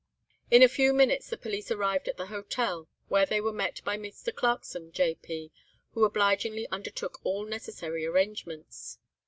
"In a few minutes the police arrived at the Hotel, where they were met by Mr. Clarkson, J.P., who obligingly undertook all necessary arrangements.